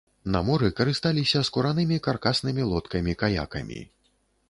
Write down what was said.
На моры карысталіся скуранымі каркаснымі лодкамі-каякамі.